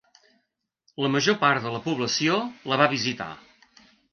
La major part de la població la va visitar.